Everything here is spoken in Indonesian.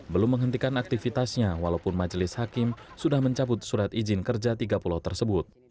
belum menghentikan aktivitasnya walaupun majelis hakim sudah mencabut surat izin kerja tiga pulau tersebut